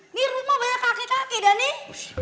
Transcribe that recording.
ini rupa banyak kakek kakek dah nih